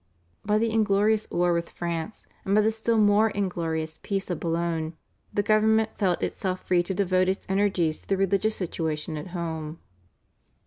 By the inglorious war with France and by the still more inglorious peace of Boulogne the government felt itself free to devote its energies to the religious situation at home.